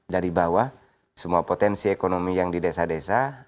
dari bawah semua potensi ekonomi yang di desa desa